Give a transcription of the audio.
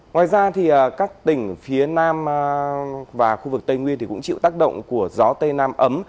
ngoài ra các tỉnh phía nam và khu vực tây nguyên cũng chịu tác động của gió tây nam ấm